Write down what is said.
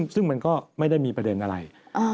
ซึ่งมันก็ไม่ได้มีประเด็นอะไร